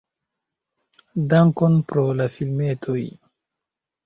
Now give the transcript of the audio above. Dankon pro la filmetoj!